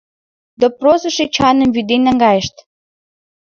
Допросыш Эчаным вӱден наҥгайышт.